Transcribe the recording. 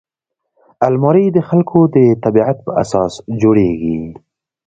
الماري د خلکو د طبعیت په اساس جوړیږي